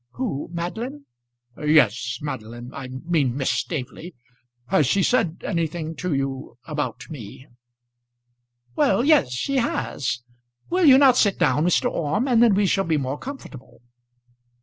"Who Madeline?" "Yes, Madeline. I mean Miss Staveley. Has she said anything to you about me?" "Well; yes, she has. Will you not sit down, Mr. Orme, and then we shall be more comfortable."